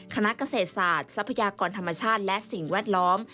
คณะเกษตรศาสตร์ทรัพยากรธรรมชาติและสิ่งแวดล้อม